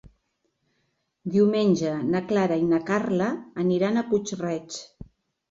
Diumenge na Clara i na Carla aniran a Puig-reig.